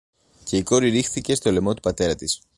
και η κόρη ρίχθηκε στο λαιμό του πατέρα της